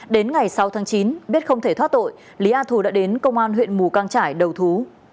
đến ngày sáu tháng chín biết không thể thoát tội lý a thù đã đến công an huyện mù căng trải đầu thú